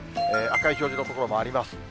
赤い表示の所もあります。